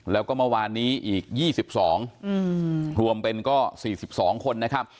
แล้วก็เมื่อวานนี้อีก๒๒รวมเป็นก็๔๒คนนะครับ